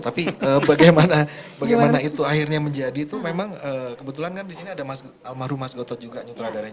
tapi bagaimana itu akhirnya menjadi tuh memang kebetulan kan di sini ada almarhum mas gotot juga nyutradaranya